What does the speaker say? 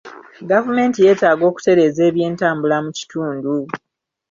Gavumenti yeetaaga okutereeza ebyentambula mu kitundu.